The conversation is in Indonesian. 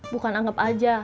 bukan anggap saja